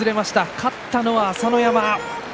勝ったのは朝乃山。